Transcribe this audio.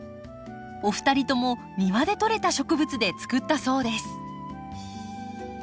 お二人とも庭でとれた植物で作ったそうです。